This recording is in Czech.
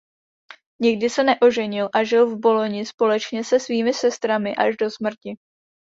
Nikdy se neoženil a žil v Boloni společně se svými sestrami až do smrti.